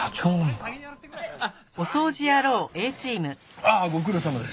ああご苦労さまです。